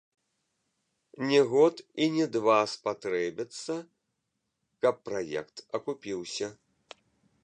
Не год і не два спатрэбіцца, каб праект акупіўся.